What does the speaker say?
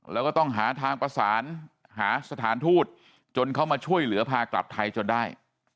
แล้วก็ต้องหาทางประสานหาสถานทูตจนเขามาช่วยเหลือพากลับไทยจนได้